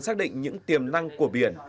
xác định những tiềm năng của biển